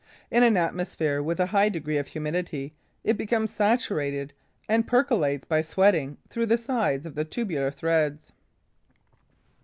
In an atmosphere with a high degree of humidity, it becomes saturated and percolates by sweating through the side of the tubular threads.